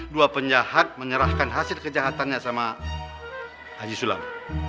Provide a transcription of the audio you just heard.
dua penjahat menyerahkan hasil kejahatannya sama haji sulam